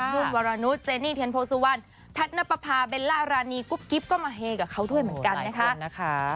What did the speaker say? นุ่นวรนุษยเจนี่เทียนโพสุวรรณแพทย์นับประพาเบลล่ารานีกุ๊บกิ๊บก็มาเฮกับเขาด้วยเหมือนกันนะคะ